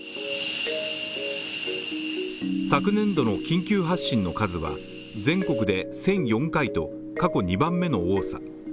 昨年度の緊急発進の数は全国で１００４回と過去２番目の多さ。